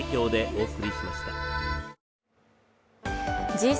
Ｇ７